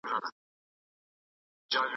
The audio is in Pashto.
زده کړه د انټرنیټ له لارې وړیا کیدی سي.